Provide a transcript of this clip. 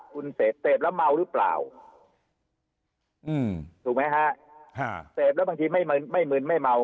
คุณเสพเสพแล้วเมาหรือเปล่าอืมถูกไหมฮะเสพแล้วบางทีไม่มืนไม่เมา